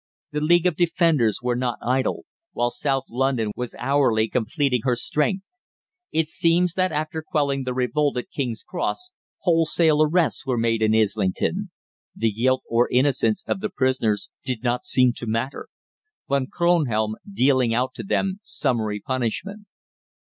The League of Defenders were not idle, while South London was hourly completing her strength. It seems that after quelling the revolt at King's Cross wholesale arrests were made in Islington. The guilt or innocence of the prisoners did not seem to matter. Von Kronhelm dealing out to them summary punishment.